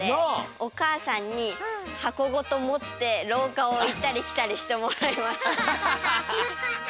おかあさんにはこごともってろうかをいったりきたりしてもらいました。